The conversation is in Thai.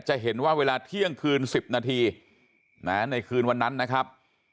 จะเห็นว่าเวลาเที่ยงคืน๑๐นาทีในคืนวันนั้นนะครับ